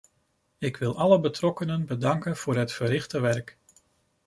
Ik wil alle betrokkenen bedanken voor het verrichte werk.